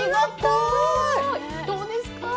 どうですか？